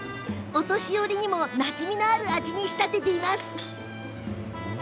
お年寄りにも、なじみのある味に仕立てています。